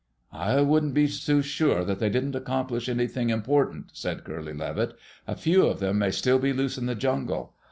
"I wouldn't be too sure that they didn't accomplish anything important," said Curly Levitt. "A few of them may still be loose in the jungle.